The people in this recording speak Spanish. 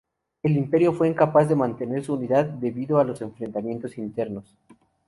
El Imperio fue incapaz de mantener su unidad debido a los enfrentamientos internos.